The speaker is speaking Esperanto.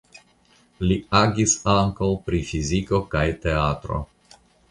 Li agis ankaŭ pri fiziko kaj teatro.